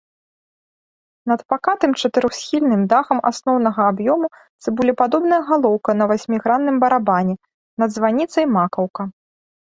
Над пакатым чатырохсхільным дахам асноўнага аб'ёму цыбулепадобная галоўка на васьмігранным барабане, над званіцай макаўка.